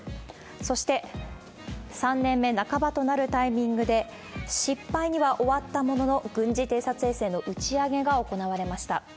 そして、３年目半ばとなるタイミングで、失敗には終わったものの、軍事偵察衛星の打ち上げが行われました。